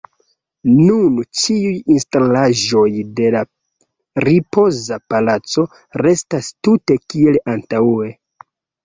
Nun ĉiuj instalaĵoj de la Ripoza Palaco restas tute kiel antaŭe.